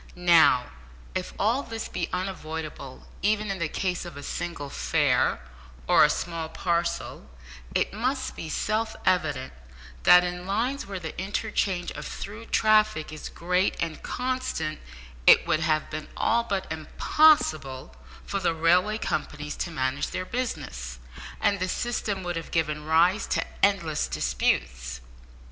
Now, if all this be unavoidable even in the case of a single fare, or a small parcel, it must be self evident that in lines where the interchange of through traffic is great and constant, it would have been all but impossible for the railway companies to manage their business, and the system would have given rise to endless disputes.